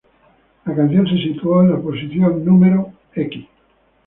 La canción fue ubicada en la posición No.